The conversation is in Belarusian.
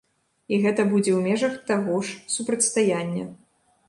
І гэта будзе ў межах таго ж супрацьстаяння.